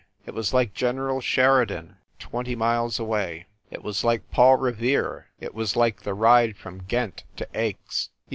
It was like General Sheridan twenty THE SUBWAY EXPRESS 197 miles away. It was like Paul Revere it was like the ride from Ghent to Aix.